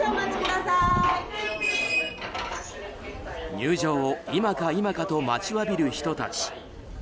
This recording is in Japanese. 入場を今か今かと待ちわびる人たち。